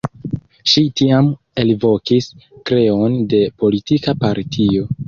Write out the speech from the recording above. Ŝi tiam elvokis kreon de politika partio.